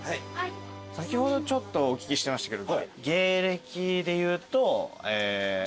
先ほどちょっとお聞きしてましたけど芸歴で言うと。